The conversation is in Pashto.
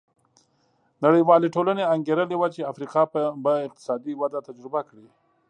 نړیوالې ټولنې انګېرلې وه چې افریقا به اقتصادي وده تجربه کړي.